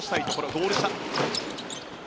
ゴール下。